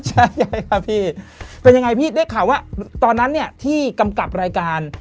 ใช่ค่ะพี่เป็นยังไงพี่ได้ข่าวว่าตอนนั้นเนี่ยที่กำกับรายการ